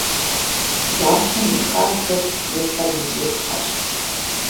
Гуащэм и хабзэр нысэм и бзыпхъэщ.